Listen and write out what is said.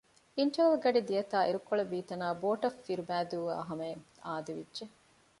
އިންޓަވަލް ގަޑި ދިޔަތާ އިރުކޮޅެއް ވީތަނާ ބޯޓަށް ފިރުބަނއިދޫ އާ ހަމައަށް އާދެވިއްޖެ